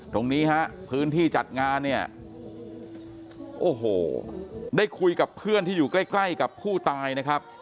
ตรงนี้ฮะพื้นที่จัดงานเนี่ยโอ้โหได้คุยกับเพื่อนที่อยู่ใกล้ใกล้กับผู้ตายนะครับ